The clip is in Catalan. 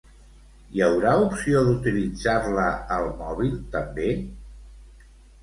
Hi haurà opció d'utilitzar-la al mòbil també?